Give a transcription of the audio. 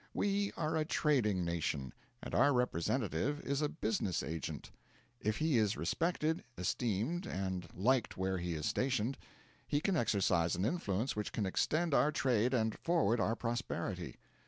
We are a trading nation; and our representative is a business agent. If he is respected, esteemed, and liked where he is stationed, he can exercise an influence which can extend our trade and forward our prosperity.